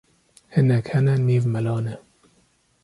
Hinek hene nîv mela ne